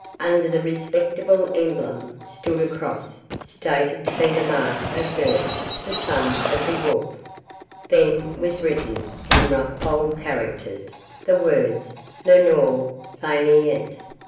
Under this respectable emblem stood a cross, stated to be the mark of Gurth, the son of Beowulph. Then was written, in rough bold characters, the words, "Le Noir Faineant".